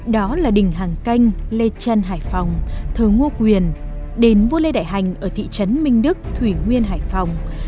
đó là đình hàng canh lê trân hải phòng thờ ngô quyền đến vua lê đại hành ở thị trấn minh đức thủy nguyên hải phòng slow